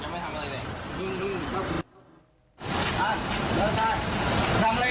มันทำอะไร